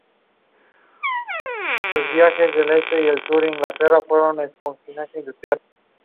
A Saint Eric head is attached to the ribbon.